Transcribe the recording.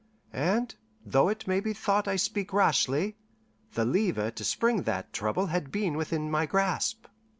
And though it may be thought I speak rashly, the lever to spring that trouble had been within my grasp.